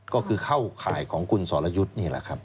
ก็คือเข้าข่ายของคุณสรยุทธ์นี่แหละครับ